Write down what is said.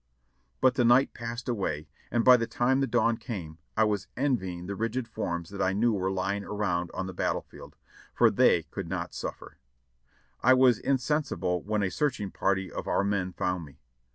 But the night passed away, and by the time the dawn came I was envying the rigid forms that I knew were lying around on the battle field, for they could not suf fer. I was insensible when a searching party of our men found me.